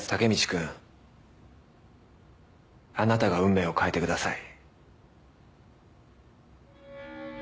君あなたが運命を変えてください。